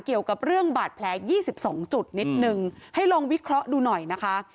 เกี่ยวกับเรื่องบาดแผล๒๒จุดนิดนึงให้ลองวิเคราะห์ดูหน่อยนะคะ